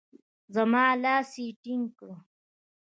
زما لاس يې ټينګ کړ.